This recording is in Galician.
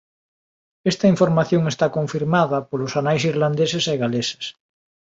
Esta información está confirmada polos anais irlandeses e galeses.